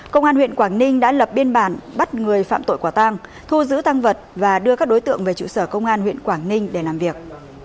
công an huyện quảng ninh đã lập biên bản bắt người phạm tội quả tang thu giữ tăng vật và đưa các đối tượng về trụ sở công an huyện quảng ninh để làm việc